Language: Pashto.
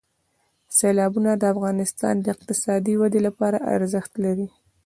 سیلابونه د افغانستان د اقتصادي ودې لپاره ارزښت لري.